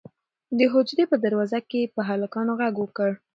د حجرې په دروازه کې یې په هلکانو غږ وکړ.